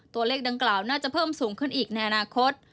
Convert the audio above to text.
ตัวเลขดังกล่าวน่าจะเพิ่มสูงขึ้นอีกในอนาคต